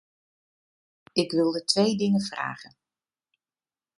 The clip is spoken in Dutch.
Ik wilde twee dingen vragen.